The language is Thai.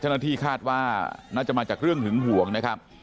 เจ้าหน้าที่คาดว่าน่าจะมาจากเรื่องหึงห่วงนะครับ